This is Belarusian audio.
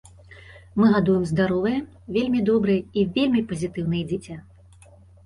Мы гадуем здаровае, вельмі добрае і вельмі пазітыўнае дзіця.